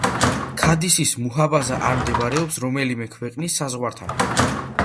ქადისიის მუჰაფაზა არ მდებარეობს რომელიმე ქვეყნის საზღვართან.